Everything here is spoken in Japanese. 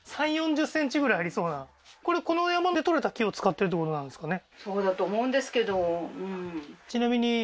これこの山で採れた木を使ってるってことなんですかね？